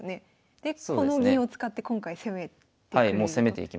でこの銀を使って今回攻めてくれる。